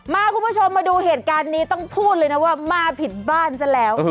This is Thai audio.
คุณผู้ชมมาดูเหตุการณ์นี้ต้องพูดเลยนะว่ามาผิดบ้านซะแล้ว